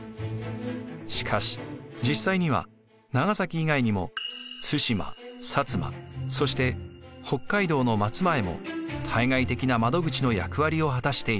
しかし実際には長崎以外にも対馬摩そして北海道の松前も対外的な窓口の役割を果たしていました。